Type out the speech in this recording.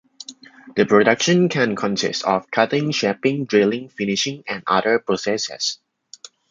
The production can consist of cutting, shaping, drilling, finishing, and other processes.